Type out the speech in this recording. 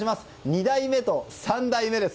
２代目と３代目です。